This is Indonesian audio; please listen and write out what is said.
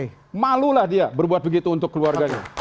dan perlulah dia berbuat begitu untuk keluarganya